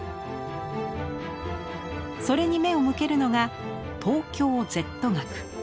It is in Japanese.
それに目を向けるのが「東京Ｚ学」。